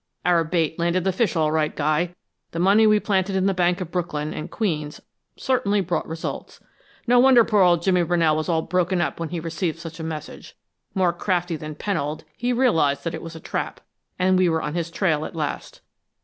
Our bait landed the fish all right, Guy. The money we planted in the bank of Brooklyn and Queens certainly brought results. No wonder poor old Jimmy Brunell was all broken up when he received such a message. More crafty than Pennold, he realized that it was a trap, and we were on his trail at last.